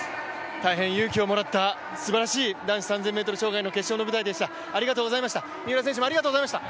大変勇気をもらった、すばらしい男子３０００ｍ障害の決勝の舞台でした。